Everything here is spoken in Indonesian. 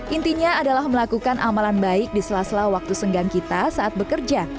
intinya adalah melakukan amalan baik di sela sela waktu senggang kita saat bekerja